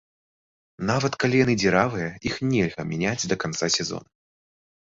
Нават калі яны дзіравыя, іх нельга мяняць да канца сезона.